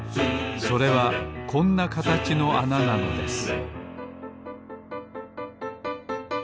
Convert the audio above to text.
それはこんなかたちのあななのです